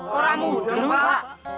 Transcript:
orang muda pak